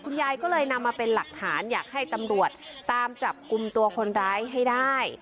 ยายก็เลยนำมาเป็นหลักฐานอยากให้ตำรวจตามจับกลุ่มตัวคนร้ายให้ได้